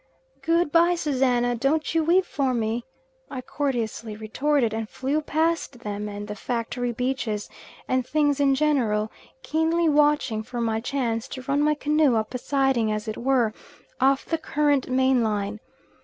"Good bye, Susannah, don't you weep for me," I courteously retorted; and flew past them and the factory beaches and things in general, keenly watching for my chance to run my canoe up a siding, as it were, off the current main line.